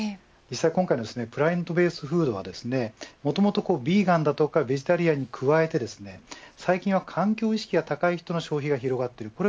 実際今回のプラントベースフードはもともとビーガンだったとかベジタリアンに加えて最近は、環境意識が高い人の消費が広がっている。